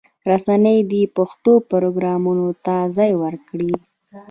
رسنۍ دې پښتو پروګرامونو ته ځای ورکړي.